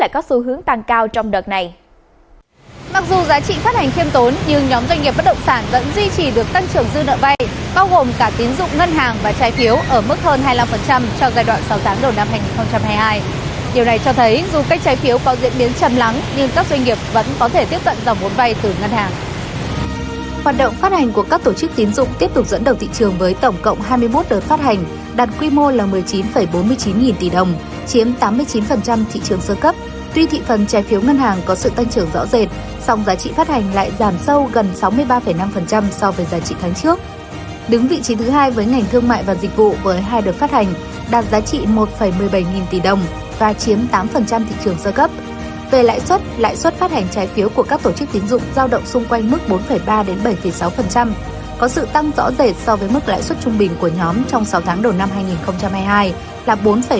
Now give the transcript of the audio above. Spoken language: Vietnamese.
có sự tăng rõ rệt so với mức lãi suất trung bình của nhóm trong sáu tháng đầu năm hai nghìn hai mươi hai là bốn ba mươi năm